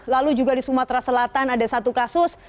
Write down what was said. lalu juga di sumatera selatan ada satu kasus